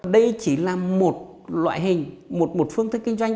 đây chỉ là một loại hình một phương thức kinh doanh